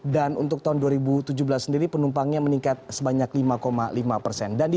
dan untuk tahun dua ribu tujuh belas sendiri penumpangnya meningkat sebanyak lima lima persen